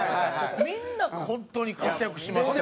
みんな本当に活躍しましたよ。